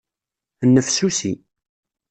Nnefsusi.